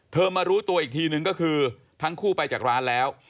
มารู้ตัวอีกทีนึงก็คือทั้งคู่ไปจากร้านแล้ว